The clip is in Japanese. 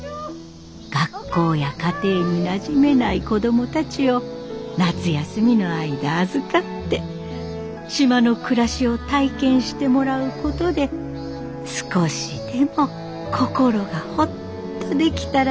学校や家庭になじめない子供たちを夏休みの間預かって島の暮らしを体験してもらうことで少しでも心がホッとできたらいいねという取り組みでした。